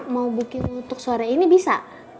mau booking untuk sore ini bisa